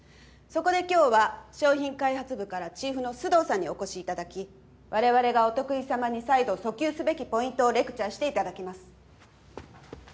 そこで今日は商品開発部からチーフの須藤さんにお越し頂き我々がお得意様に再度訴求すべきポイントをレクチャーして頂きます。